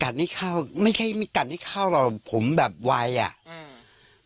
ให้เข้าไม่ใช่ไม่กัดให้เข้าหรอกผมแบบไวอ่ะอืม